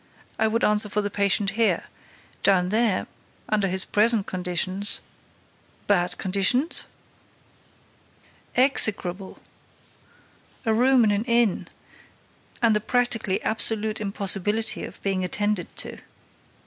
I would answer for the patient here. Down there—under his present conditions—" "Bad conditions?" "Execrable!—A room in an inn—and the practically absolute impossibility of being attended to."